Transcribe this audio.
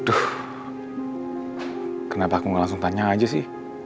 aduh kenapa aku nggak langsung tanya aja sih